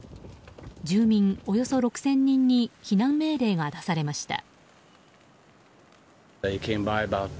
住民およそ６０００人に避難命令が出されました。